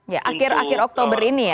ya akhir akhir oktober ini ya